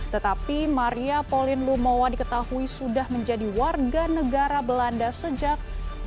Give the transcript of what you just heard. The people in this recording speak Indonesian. tetapi maria pauline lumowa diketahui sudah menjadi warga negara belanda sejak seribu sembilan ratus